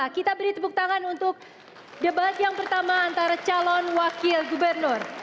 kita beri tepuk tangan untuk debat yang pertama antara calon wakil gubernur